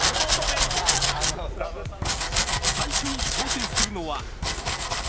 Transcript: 最初に挑戦するのは。